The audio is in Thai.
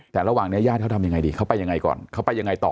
แต่ระหว่างนี้ญาติเขาทำยังไงดีเขาไปยังไงก่อนเขาไปยังไงต่อ